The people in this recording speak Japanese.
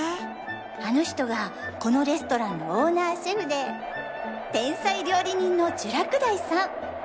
あの人がこのレストランのオーナーシェフで天才料理人の聚楽大さん。